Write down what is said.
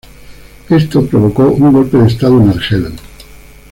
Esto provocó un golpe de estado en Argel.